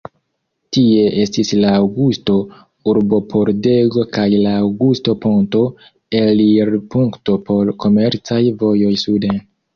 Tie estis la Aŭgusto-urbopordego kaj la Aŭgusto-ponto, elirpunkto por komercaj vojoj suden.